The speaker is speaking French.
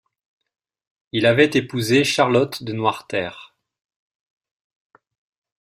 Il avait épousé Charlotte de Noireterre.